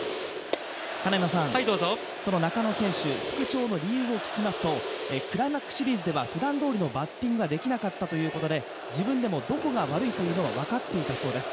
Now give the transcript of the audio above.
中野選手、復調の理由を聞きますとクライマックスシリーズではふだんどおりのバッティングはできなかったということで、自分でもどこがいいかと分かっていないそうです。